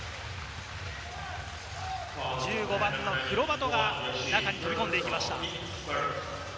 １５番のフロバトが中に飛び込んでいきました。